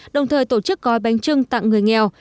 đồng thời tổ chức gói bánh trưng tặng người nghèo